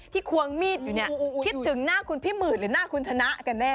ควงมีดอยู่เนี่ยคิดถึงหน้าคุณพี่หมื่นหรือหน้าคุณชนะกันแน่